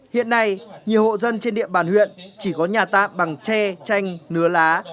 hiện nay nhiều hộ dân trên địa bàn huyện chỉ có nhà tạm bằng tre chanh nứa lá